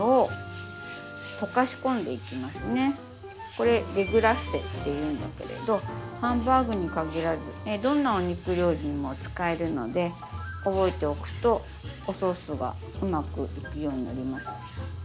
これデグラッセっていうんだけれどハンバーグに限らずどんなお肉料理にも使えるので覚えておくとおソースがうまくいくようになります。